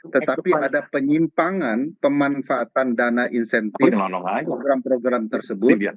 tetapi ada penyimpangan pemanfaatan dana insentif program program tersebut